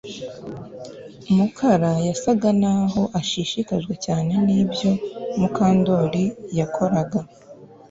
Mukara yasaga naho ashishikajwe cyane nibyo Mukandoli yakoraga